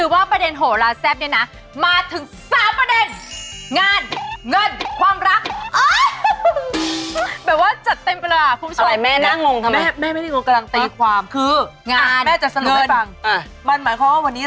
เวลามีน้อยเราต้องเข้าใจเร็วค่ะ